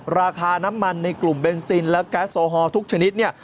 ราคาน้ำมันในกลุ่มเบนซินและแก๊สโอฮอลทุกชนิดเนี่ย